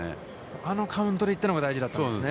あのカウントで行ったのが大事なんですね。